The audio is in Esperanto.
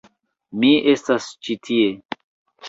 Mi estas ĉi tie...